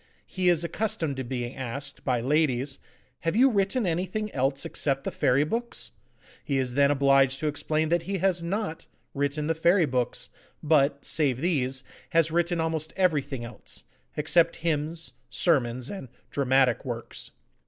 He is accustomed to being asked, by ladies, 'Have you written anything else except the Fairy Books?' He is then obliged to explain that he has NOT written the Fairy Books, but, save these, has written almost everything else, except hymns, sermons, and dramatic works.